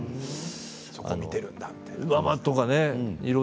そうところを見ているんだとか。